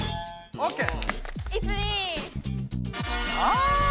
オッケー。